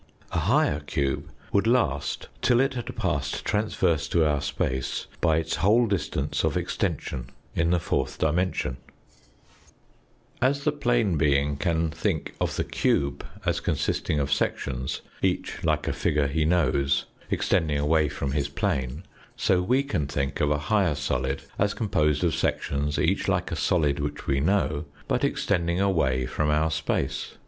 A higher cube would last till it had passed transverse to our space by its whole distance of extension in the fourth dimension. 14 THE FOURTH DIMENSION As the plane being can think of the cube as consisting of sections, each like a figure he knows, extending away from his plane, so we can think of a higher solid as com posed of sections, each like a solid which we know, but extending away from our space.